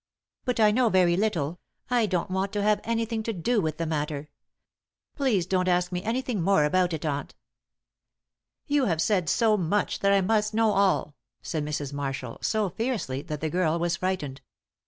"But I know very little; I don't want to have anything to do with the matter. Please don't ask me anything more about it aunt." "You have said so much that I must know all," said Mrs. Marshall, so fiercely that the girl was frightened.